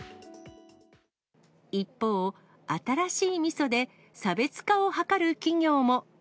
一方、新しいみそで差別化を図る企業も。